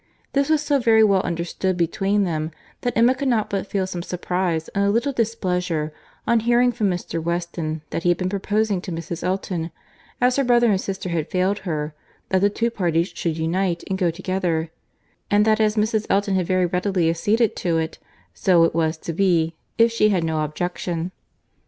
This was so very well understood between them, that Emma could not but feel some surprise, and a little displeasure, on hearing from Mr. Weston that he had been proposing to Mrs. Elton, as her brother and sister had failed her, that the two parties should unite, and go together; and that as Mrs. Elton had very readily acceded to it, so it was to be, if she had no objection.